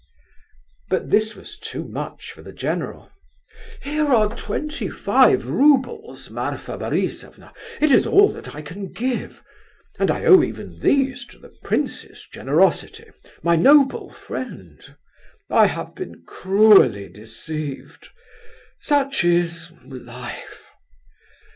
But this was too much for the general. "Here are twenty five roubles, Marfa Borisovna... it is all that I can give... and I owe even these to the prince's generosity—my noble friend. I have been cruelly deceived. Such is... life...